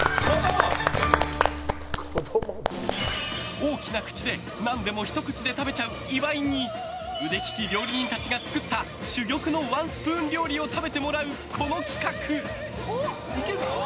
大きな口で何でもひと口で食べちゃう岩井に腕利き料理人たちが作った珠玉のワンスプーン料理を食べてもらう、この企画。